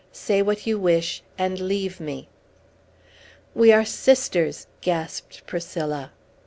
Say what you wish, and leave me." "We are sisters!" gasped Priscilla.